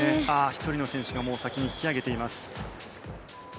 １人の選手が先に引き上げています。